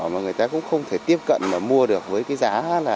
mà người ta cũng không thể tiếp cận mà mua được với cái giá là